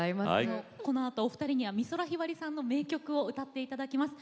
このあとお二人には美空ひばりさんの名曲を歌って頂きます。